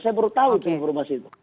saya baru tahu informasi itu